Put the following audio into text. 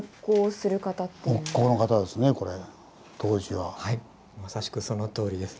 はいまさしくそのとおりです。